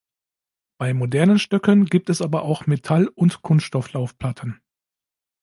Bei modernen Stöcken gibt es aber auch Metall- und Kunststoff-Laufplatten.